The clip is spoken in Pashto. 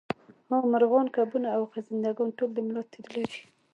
هو مارغان کبونه او خزنده ګان ټول د ملا تیر لري